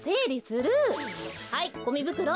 はいゴミぶくろ。